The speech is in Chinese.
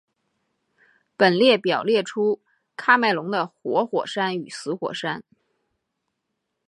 本列表列出喀麦隆的活火山与死火山。